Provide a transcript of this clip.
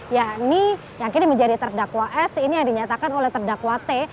yakni yang kini menjadi terdakwa s ini yang dinyatakan oleh terdakwa t